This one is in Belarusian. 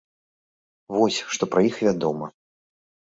Вось, што пра іх вядома.